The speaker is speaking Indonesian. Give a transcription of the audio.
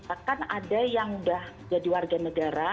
bahkan ada yang sudah menjadi warga negara